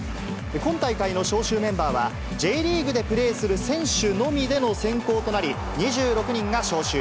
今大会の招集メンバーは、Ｊリーグでプレーする選手のみでの選考となり、２６人が招集。